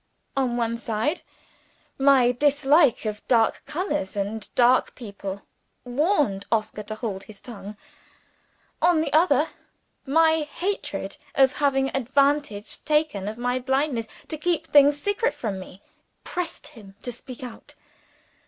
On one side, my dislike of dark colors and dark people warned Oscar to hold his tongue. On the other, my hatred of having advantage taken of my blindness to keep things secret from me, pressed him to speak out.